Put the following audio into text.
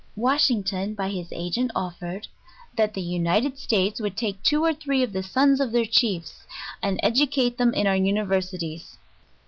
Washington, by his agent offered, that <: the United States would take two or three of the sons of their chiefs and educate them in our Universities."